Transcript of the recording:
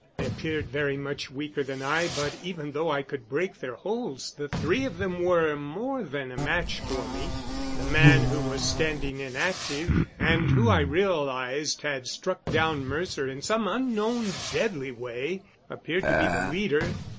They appeared very much weaker than I, but even though I could break their holds the three of them were more than a match for me. The man who was standing inactive, and who I realized had struck down Mercer in some unknown, deadly way, appeared to be the leader.